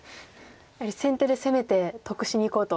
やはり先手で攻めて得しにいこうと。